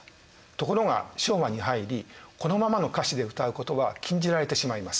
ところが昭和に入りこのままの歌詞で歌うことが禁じられてしまいます。